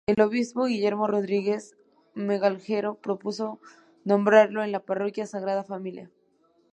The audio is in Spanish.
El obispo Guillermo Rodríguez Melgarejo propuso nombrarlo en la parroquia Sagrada Familia.